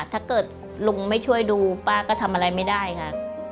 ถ้าเกิดลุงไม่ช่วยดูป้าก็ทำอะไรไม่ได้ค่ะ